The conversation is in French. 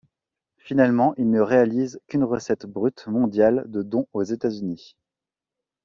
Finalement, il ne réalise qu'une recette brute mondiale de dont aux États-Unis.